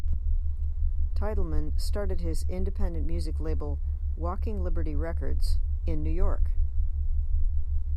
Titelman started his independent music label Walking Liberty Records in New York.